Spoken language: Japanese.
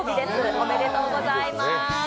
おめでとうございます。